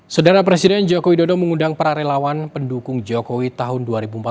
sedara presiden jokowi dodo mengundang para relawan pendukung jokowi tahun dua ribu empat belas dua ribu sembilan belas